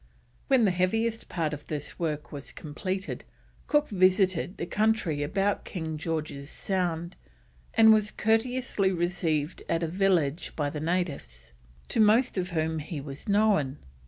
When the heaviest part of this work was completed Cook visited the country about King George's Sound, and was courteously received at a village by the natives, to most of whom he was known.